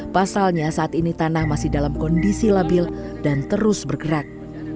pasalnya saat ini tanah masih dalam kondisi labil dan terus bergerak